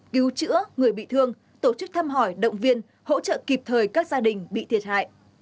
cứu chữa người bị thương tổ chức thăm hỏi động viên hỗ trợ kịp thời các gia đình bị thiệt hại